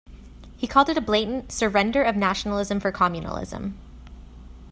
He called it a blatant ""surrender of nationalism for communalism"".